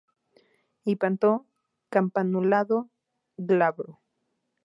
Hipanto campanulado, glabro.